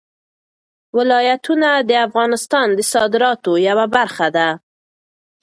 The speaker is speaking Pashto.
ولایتونه د افغانستان د صادراتو یوه برخه ده.